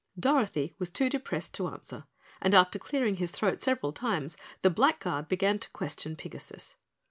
Dorothy was too depressed to answer, and after clearing his throat several times the Blackguard began to question Pigasus.